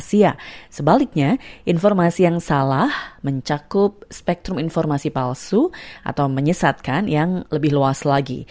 dan juga informasi yang tidak sesuai dengan kebenaran